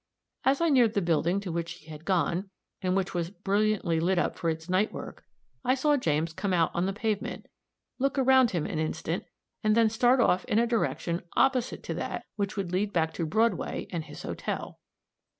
As I neared the building to which he had gone, and which was brilliantly lighted up for its night work, I saw James come out on the pavement, look around him an instant, and then start off in a direction opposite to that which would lead back to Broadway and his hotel.